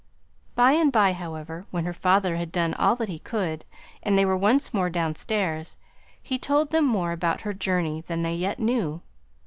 By and by, however, when her father had done all that he could, and they were once more downstairs, he told them more about her journey than they yet knew.